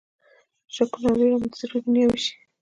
شکونه او وېره مو د زړه دنیا وېشي.